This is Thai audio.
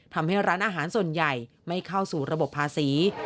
ทำให้ร้านอาหารส่วนใหญ่ไม่เข้าสู่ระบบภาษี